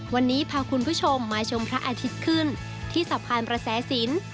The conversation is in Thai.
วันนี้พาคุณผู้ชมมาชมพระอาทิตย์ขึ้นที่สะพานประแสศิลป์